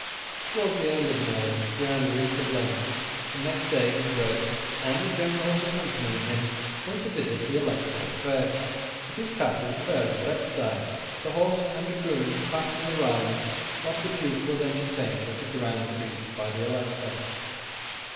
Towards the end of May, the army reached Coblentz; and next day, his Grace, and the generals accompanying him, went to visit the Elector of Treves at his Castle of Ehrenbreitstein, the horse and dragoons passing the Rhine whilst the Duke was entertained at a grand feast by the Elector.